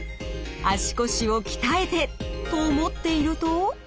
足腰を鍛えて！と思っていると。